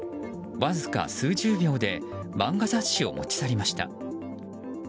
わずか数十秒で漫画雑誌を持ち去りました。